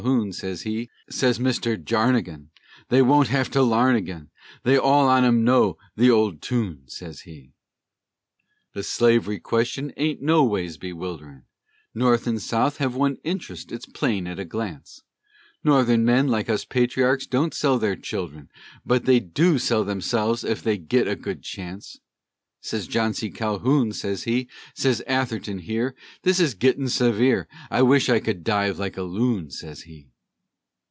Calhoun, sez he; Sez Mister Jarnagin, "They wun't hev to larn agin, They all on 'em know the old toon," sez he. "The slavery question aint no ways bewilderin', North an' South hev one int'rest, it's plain to a glance; No'thern men, like us patriarchs, don't sell their childrin, But they du sell themselves, ef they git a good chance," Sez John C. Calhoun, sez he; Sez Atherton here, "This is gittin' severe, I wish I could dive like a loon," sez he.